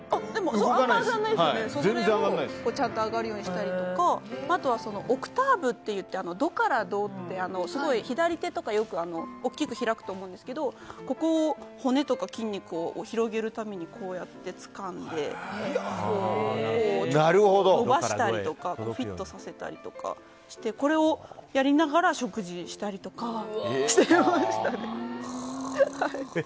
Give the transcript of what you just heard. それを上がるようにしたりとかオクターブっていってドからドって左手とか大きく開くと思うんですけど骨とか筋肉を広げるためにこうやってつかんで伸ばしたりとかフィットさせたりとかしてこれをやりながら食事したりとかしてましたね。